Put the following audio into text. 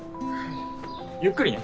ゆっくりね。